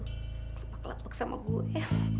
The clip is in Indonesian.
kelepek kelepek sama gue